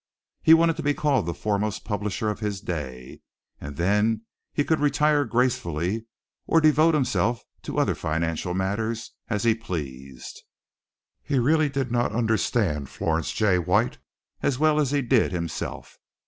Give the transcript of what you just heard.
He wanted to be called the foremost publisher of his day, and then he could retire gracefully or devote himself to other financial matters as he pleased. He really did not understand Florence J. White as well as he did himself.